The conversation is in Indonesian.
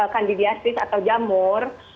kandidiasis atau jamur